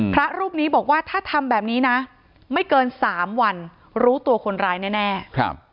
พระรูปนี้บอกว่าถ้าทำแบบนี้นะไม่เกินสามวันรู้ตัวคนร้ายแน่แน่ครับ